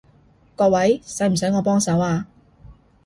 各位，使唔使我幫手啊？